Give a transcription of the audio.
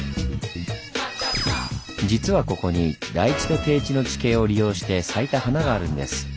実はここに台地と低地の地形を利用して咲いた華があるんです。